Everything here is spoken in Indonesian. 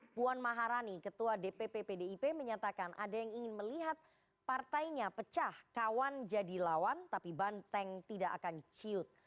puan maharani ketua dpp pdip menyatakan ada yang ingin melihat partainya pecah kawan jadi lawan tapi banteng tidak akan ciut